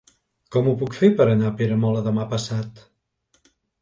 Com ho puc fer per anar a Peramola demà passat?